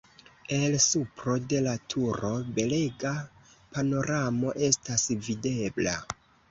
El supro de la turo belega panoramo estas videbla.